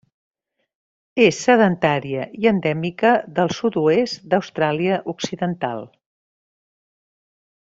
És sedentària i endèmica del sud-oest d'Austràlia Occidental.